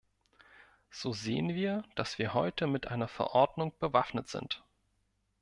So sehen wir, dass wir heute mit einer Verordnung bewaffnet sind.